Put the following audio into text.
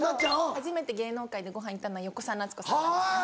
初めて芸能界でご飯行ったのは横澤夏子さんなんですよ。